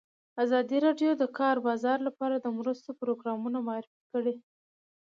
ازادي راډیو د د کار بازار لپاره د مرستو پروګرامونه معرفي کړي.